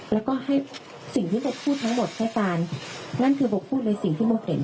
แล้วก็ให้สิ่งที่โบพูดทั้งหมดให้การนั่นคือโบพูดในสิ่งที่โบเห็น